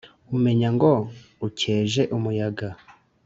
umenya ngo ukeje umuyaga.